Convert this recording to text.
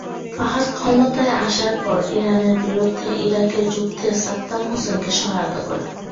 ফাহাদ ক্ষমতায় আসার পর ইরানের বিরুদ্ধে ইরাকের যুদ্ধে সাদ্দাম হোসেনকে সহায়তা করেন।